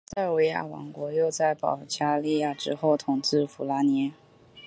塞尔维亚王国又在保加利亚之后统治弗拉涅。